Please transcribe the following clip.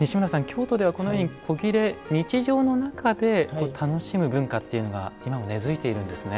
京都ではこのように古裂日常の中で楽しむ文化っていうのが今も根づいているんですね。